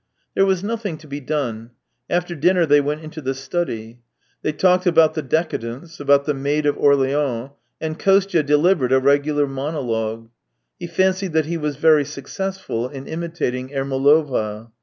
There was nothing to be done ; after dinner they went into the study. They talked about the decadents, about " The Maid of Orleans," and Kostya delivered a regular monologue; he fancied that he was very successful in imitating Ermolova.